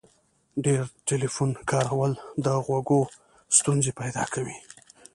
ډیر ټلیفون کارول د غوږو ستونزي پیدا کوي.